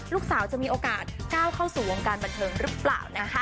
ลูกสาวจะมีโอกาสก้าวเข้าสู่วงการบันเทิงหรือเปล่านะคะ